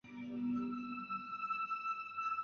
另外协同作战的伪军的战斗能力低下。